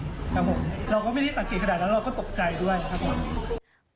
ครับผมเราก็ไม่ได้สังเกตขนาดนั้นเราก็ตกใจด้วยครับผม